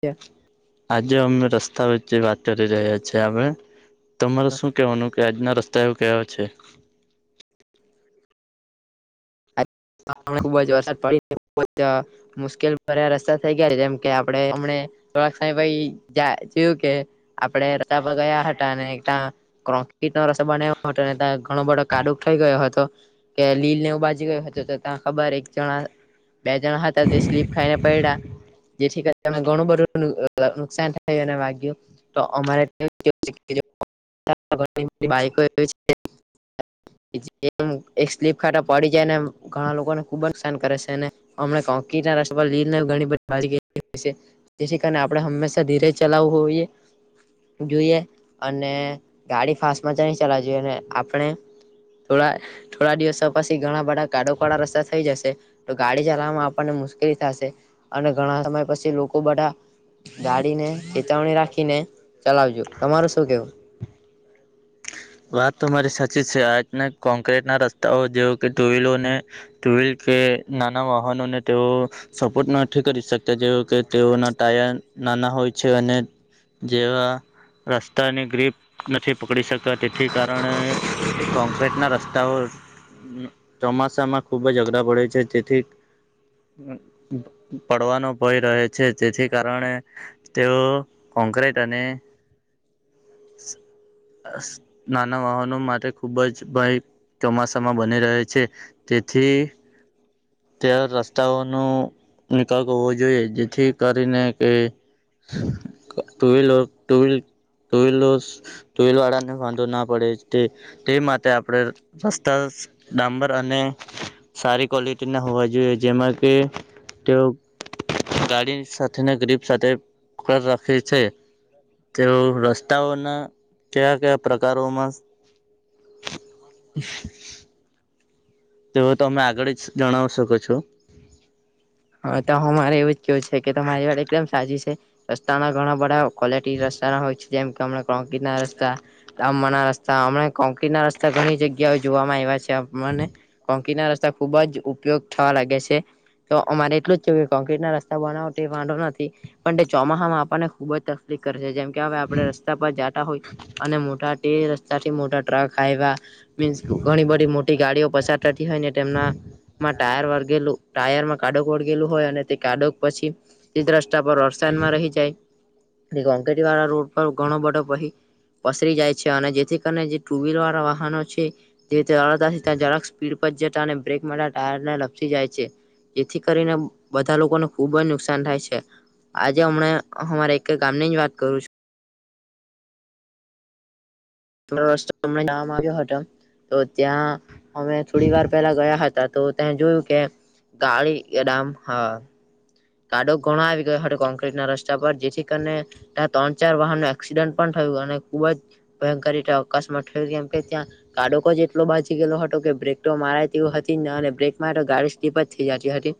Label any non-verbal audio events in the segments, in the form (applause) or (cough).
ખુબ આજે અમે રસ્તા વચ્ચ વાત કરી રહ્યા છેીએ આપણે. તમારે શું કહેવાનું કે આજના રસ્તા એવ કવા છે. ખુબ જ વરસાદ પડી. મુશ્કેલ ભર્યા રસ્તા થઈ ગયા છે જેમ કે આપડેમને થોડાક સા ભાઈ. જેવુ કે આપણે રસતા પર ગયા હતા અને ત (unintelligible) ન રસો બના્યો હતો ત્યા ઘણો બધો કાડુક થઈ ગયો હતો કે લીલ ને બાજુ. ગયો હતો તો ત ખબર એક જણા બે જણા હતા જે સ્લીપ ખાઈને પડ્યા. જેથી કરી ઘણું બધું નુકસાન થયું અને વાગ્યું તો અમારે. (unintelligible) એમ એક સ્લીપ ખાતાા પડી જેને ઘણા લોકોને ખુબ જ (unintelligible) જેથી કારણે આપણે હંમેશા ધીરે ચલાવવું હોઈએ જોઈએ અને ગાડી ફાસ્ટમાં જ નહી ચલા જોઈએ અને આપણે. થોડા થોડા દિવસ પછી. ઘણા બધા કાડો કળા રસ્તા થઈ જશે તો ગાડી ચલાવામાં આપણને મુશ્કેલી થશે અને ઘણા પછી લોકો બધા ગાડીને ચેતવણી રાખીને ચલાવજો તમારું. કેવું વાત તો મારી સાચી છે આજના કોંક્રીટના રસ્તાઓ જેવ કે ટુવીિલોને ટુવીિલ કે નાના વાહનોને તેઓ સપોર્ટ નથી કરી શકતા જેવ કે તેઓના ટાયર નાના હોય છે અને જેવા તાની ગ્રીપ નથી પકડી શકતા તેથી કારણે કોક્રેટના રસ્તા તા ઓ ચોમાસામાં ખુબ જ અઘરા પડે છે તેથી પડવાનો ભય રહે છે જેથી કારણે તેઓ કોંક્રેટ અને (inaudible) નાના વાહનો માટે ખૂબ જ ભય ચોમાસામાં બની રહે છે તેથી ત્યા રસ્તાઓનો નિકાલ હોવો જોઈએ જેથી કરીને કે ટુવલ ટુ વિલ ટલ ટુઈલ વાળાને વાંધો ના પડે તે તે માટે આપણે રસ્તા ડામંબર અને સારી ક્વોલિટી ના હોવા જોઈએ જેમાં કે તેઓ ગાડી સાથેના ગ્રીપ સાથે પકડ રાખે છે તેઓ કયા કયા પ્રકારોમાં તે તમે આગળ જ જણાવી શકો છો કયો છે કે તમારી વાર એકદમ સાચી છે રસ્તાના ઘણા બધા ક્વોલિટી રસ્તાના હોય છે જેમ કે હમણા કોકટ ના રસ્તા ડામ ના રસ્તા હમણા કોકટ ના રસ્તા ઘણી જગ્યા જોવામાં આવ્યા છે મને કોંકી ના રસ્તા ખુબ જ ઉપયોગ થવા લાગે છે તો અમારે એટલું જ છે કોક્રીટ ના રસ્તા બનાવો તે વાંધો નથી પણ તે ચોમાસા માં આપણને ખુબ જ તકલીફ જેમ કે હવે આપણે રસ્તા પર જાતા હોય અને મોટા રસ્તાથી મોટા ટ્રક આવ્યા મીનસ ઘણી બધી મોટી ગાડીઓ પસાર થતી હોયને તેમનામાં ટાયર વર્ગેલું ટ માં કાડોક ઓળગેલું હોય અને તે કાડોક પછી તે દ્રષ્ટા પર વરસાદમાં રહી જાય એ અંકટી વાળા રોડ પર ઘણો બડો પાઈ પસરી જાય છે અને જેથી કરીને જે ટુ વ્હીલર વાળા વાહનો છે જેથી રળતાથી જડક સ્પીડ પર જતા અને બ્રેક માટે ટાયરને લપસી જાય છે જેથી કરીને બધા લોકોને ખુબ જ નુકસાન થાય છે. આજે હમણા અમારે કે ગામની જ વાત કરું છું રસ્તો તમને નામ આવ્યો હતો તો ત્યાં અમે થોડી વાર પેલા ગયા હતા તો ત જોયું કે ગાડી એડમ હા કાડો ઘણો આવી ગયો કોક્ર્રીટ ના રસ્તા પર, જેથી કરીને ત્યાં ત્રણ ચાર વાહન ન એક્સિડન્ટ પણ થયો અને ખુબ જ ભયંકરી અવકાશમાં થ કેમ કે ત્યાં કાડોકો જ એટલો બાજી ગયેલો હતો કે બ્રેક તો મારા તે હતી અને બ્રેકમાં તો ગાડી સ્ટીપ જ થઈ જતી હતી,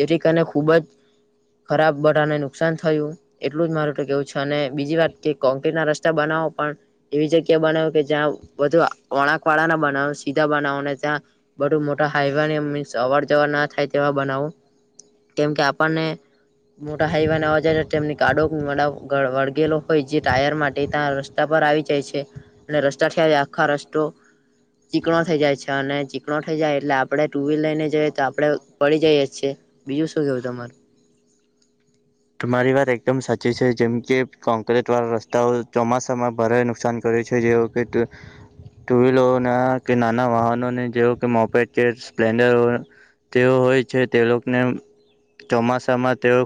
જેથી કરીને ખુબ જ (inaudible) ખરાબ બટાને નુકસાન થયું, એટલું જ મારું તો કેવું છે, અને બીજી વાત કે કોંક્રટ ના રસ્તા બનાવો પણ એવી જગ્યા બનાવ કે જ્યાં બુ વળાક વાળા ના બનાવો સીધા બનાવો ત્યાં બધું મોટા હાઈવે મીસ અવર જવર ના થાય તેવા બનાવું કેમ કે આપણને ને મોટા હાઈવાનેવા જ તેમની કાડો જે લોકો હોય જે ટાયર માટે ત્યાં રસ્તા પર આવી જાય છે અને રસ્તાથી આખા રસ્તો ચીકણો થઈ જાય છે અને ચીકણો થઈ જાય એટલે આપડણે ટુ વ્લ લઈને જઈએ તો આપડે પડી જઈએ છીએ, બીજું તમારે તમારી વાત એકદમ સાચી છે, જેમ કે કોંક્રીટ વાળા રસ્તાઓ ચોમાસામાં ભારે નુકસાન કર્યું જેકે ટુ વ્લરો કે નાના વાહનોને જે કે મોપે સ્પ્લેન્ડર તેઓ હોય છે તે લોકોને ચોમાસામાં તેઓ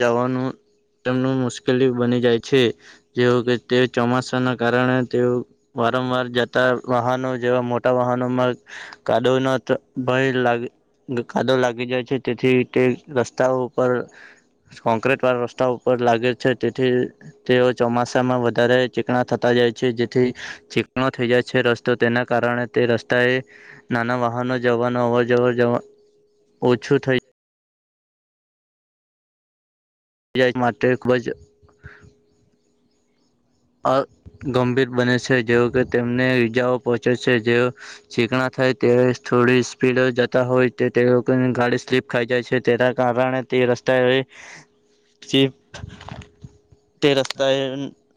જવાનું તેમ મુશ્કેલી બની જાય છે, જે કે તે ચોમાસા ના કારણે તે વારંવાર જતા વાહનો જેવા મોટા વાહનોમાં કાડો ન ભય લાગે કાદો લાગી જાય છે, તેથી તે રસ્તાઓ ઉપર કોંક્રીટ વાળા રસ્તા ઉપર લાગે છે, તેથી તેઓ ચોમાસામાં વધારે ચીકણા થતા જાય છે જેથી ચીકણો થઈ જાય છે રસ્તો તેના કારણે તે રસ્તાએ નાના વાહનો- જવાનું અવર જવર જવા ઓછું થઈ. બજજ માટે ખૂબ જ અ ગંભીર બને છે જેવ કે તેમને ઈજાઓ પહોંચે છે જે શીખણા થાય તે થોડી સ્પીડ જતા હોય તો તે લોકોની ગાડી સ્લીપ ખાઈ જાય છે તેના કારણે તે રસ્તા શ તે રસ્તા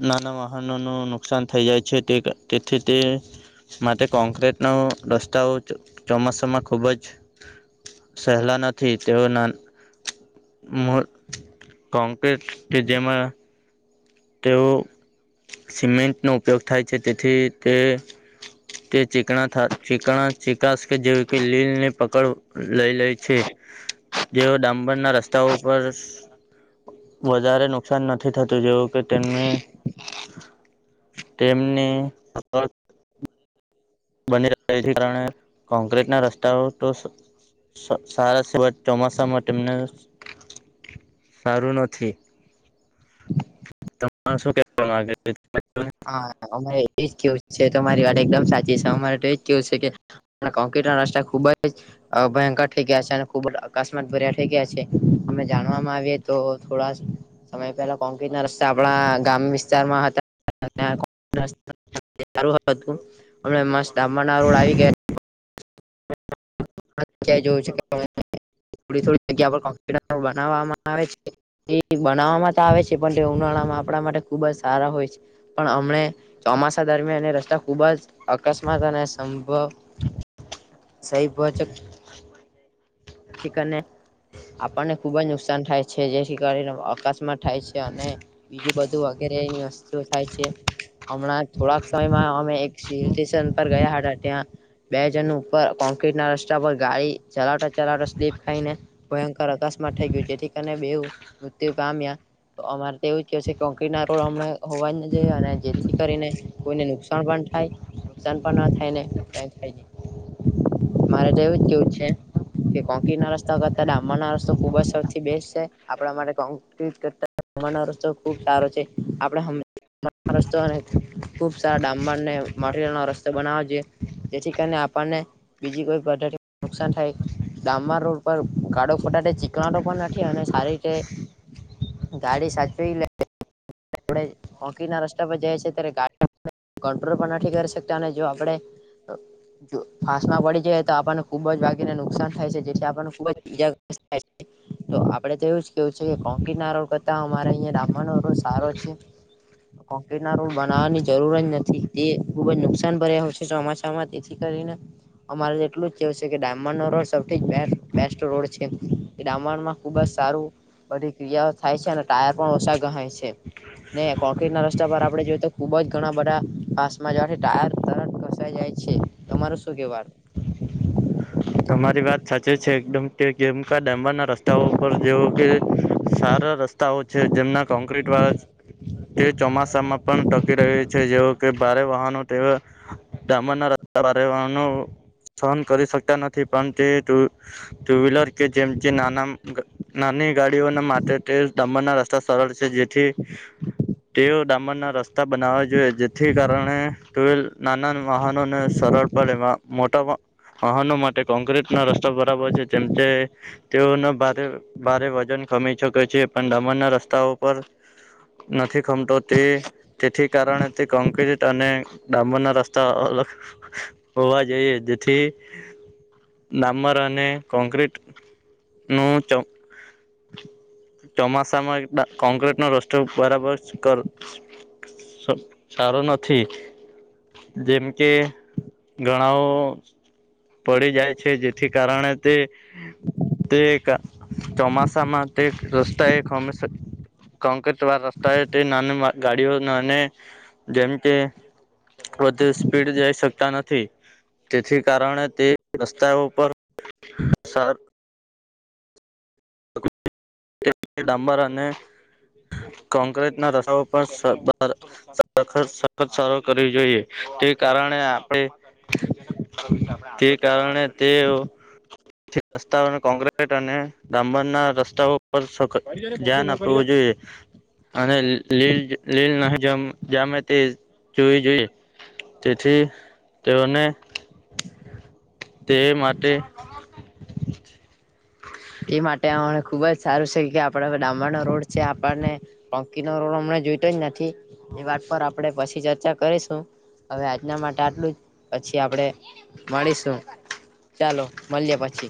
નાના વાહનોનું નુકસાન થઈ જાય છે તે તેથી તે. માટે કોંક્રટનો રસ્તાઓ ચોમાસામાં ખૂબ જ સહેલા નથી તેઓના. કોંકટ કે જેમાં તેઓ સિમેન્ટનો ઉપયોગ થાય છે તેથી તે તે ચીકણા ચીકણા ચીકાાસ કે જેવી કે લીલને પકડ લઈ લે છે. જેઓ ડામબર ના રસ્તાઓ પરર વધારે નુકસાન નથી. નથી થતું જેવું કે તેમને તેમને બની રહેથી કારણે કોંક્રિટના રસ્તાઓ તો- સારા સિવાય ચોમાસા માટે તેમને સાર નથી. શું કવા? (unintelligible) હા અમારે એજ કેવું છે તમારી વાત એકદમ સાચી છે, અમારે નાસ્ ખુબ જ ભયંકર થઈ ગયા છે અને ખૂબ જ અકસ્માત થ ગયા છે અ જાણવામાં આવીએ તો થોડા સમય પેલા કોક ના રસ્તા આપણા ગામ વિસ્તારમાં હતા સારું હતું અમ મસ્ત ડામ્બર રોડ આવી ગયા (unintelligible) (unintelligible) બનાવવામાં આવે છે એ બનાવવામાં તો આવે છે પણ તે ઉનાળામાં આપણા માટે ખુબ જ સારા હોય છે પણ હમને ચોમાસા દરમિયાન એ રસ્તા ખૂબ જ અકસ્માત અને સંભવ (inaudible) સહી ભોજક ઠીકને આપણને ખુબ જ નુકસાન થાય છે જેથી કરીને અકસ્માત થાય છે અને બીજું બધુંગ ની વસ્તુ થાય છે હમણાં થોડાક સમયમાં અમે સ્ટેશન પર ગયા હતા ત્યાં બે જણ ઉપર કોંક્રટ ના રસ્તા પર ગાડી ચલાવતા ચલા સ્લીપ ખાઈને ભયંકર અકસ્માત થઈ ગયું જેથી કરી બેવ મૃત્યુ પામ્યા તો અમારે તો એવું જ કહે કોકટ ના રોડ અમે હોવાએ અને જેથી કરીને કોઈને નુકસાન પણ થ નુકસાન પણ ના થાયને થાય મારે જેવું કેવું છે. કે કોકટ ના રસ્તા કરતા ડામબર ના રસ્તો ખુબ જ સૌથી બેસ્ટ છે આપણા માટે કોકટ કરતા (unintelligible) રસ્તો ખુબ સારો છે આપણે હમે રસ્તો અને ખૂબ સારા ડામબરને મટીરિયલનો રસ્તો બનાવો છે. જેથી કરીને આપણને બીજી કોઈ પદ્ધતિ નુકસાન થાય. ડામબ રોડ પર કાળો ફટાટે ચીકલાો પણ નથી અને સારી રીતે ગાડી સાચવી લે. આપડ મોોકી ના રસ્તા પર જાય છે ત્યારે ગાડી કટ્રોલ પણ નથી કરી શકતા અને જો આપણેે. જો ફાાસમાં પડી જાય તો આપણને ખુબ જ વાગીને નુકસાન થાય છે જેથી આપણને ખુબ જ ઈજા (inaudible) તો આપડે તો એવ જ કેવું છે કે કોંક ના રોલ કરતા અમારે અહંયા દામ્બર રસ્તો સારો કોકટ ના રોમ બનાવવાની જરૂર જ નથી તે ખુબ જ નુકસાન ભર્યા છે ચોમાસાામાં તેથી કરીને અમારે એટલું જશે કે ડાયમંડ નો રોડ સૌથી બેસ્ટ રોડ છે કે ડાયમંડમાં ખુબ જ સારું બધી ક્રિયાઓ થાય છે અને ટાયર પણ ઓછા ગહાય છે ને કોક્રીટ ના રસ્તા પર આપડે જોયએ તો ખુબ જ ઘણા બધા પાસમાં જવાથી ટાયર તર ઘસાઈ જાય છે તમાર શું કેવા તમારી વાત સાચી છે એકદમ કે કેમકા ડામબના રસ્તાઓ ઉપ જેવો કે સારા રસ્તાઓ છે જેમના કોન્ક્રટ વાળા તે ચોમાસામાં પણ ટકી રહહી છે જેવ કે ભારે વાહનો તેવા ડામના પરવાનું સહન કરી શકતા નથી થી પણ તે ટુ વ્હીલર કે જેમ કે નાની ગાડીઓના માટે દમણ ના રસ્તા સરળ છે જેથી તેઓ ડામર ના રસ્તા બનાવવા જોઈએ જેથી કારણે ટલ નાના વાહનોને સરળડ એમાં મોટા વાહનો માટે કોંક્રટ ના રસ્તા બરાબર છે તેમ તે તેઓને ભારે ભારે વજન કમાી શકે છે પણ ડમણ ના રસ્તાઓ ઉપર નથી ખમતો તે તેથી કારણે તે કોંક્રટ અને ડાબરના રસ્તા હોવા જોયે જથી ડામર અને કોંક્રટ નું ચ ચોમાસામાં કોંક્રીટ નો રસ્તો બરાબર કર સ સારું નથી જેમ કે ઘણાઓ પડી જાય છે જેથી કારણે તે તે એક ચોમાસામાં તે રસ્તા એક હંમેશા (unintelligible) રસ્તા તે નાની ગાડીઓ અને જેમ કે વધુ સ્પીડ જઈ શકતા નથી તેથી કારણે એ રસ્તાઓ પર સર ડામબર અને કોંક્રીટના રસાઓ (unintelligible) પર વખત સરળ કરવી જોઈએ તે કારણે આપણે તે કારણે તે રસ્તાને કોક્રટ અને ડામબર ના રસ્તાઓ પર સ કરી દો ને મોઘું ધ્યાન હું કરી આપવું દો. જોઈએ અને લીલ લીલ ન જામે તે જોઈ જોઈ તેથી તેઓને તે માટે (unintelligible) એ માટે હ ખુબ જ સારું છે કે આપડા ડામરનો રોડ છે આપણને ટંકી નો રોડ હમને જોઈતો જ નથી. એની વાત પર આપણે પછી ચર્ચા કરીશું હવે આજના માટે આટલું જ પછી આપણે મળીશું. ચાલો મલીએ પછી